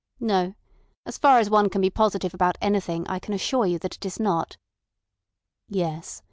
"No. As far as one can be positive about anything I can assure you that it is not." "Yes.